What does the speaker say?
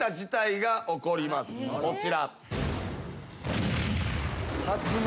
こちら。